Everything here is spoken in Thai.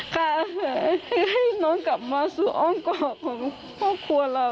ค่ะให้น้องกลับมาสู่อ้อมกอดของครอบครัวเรา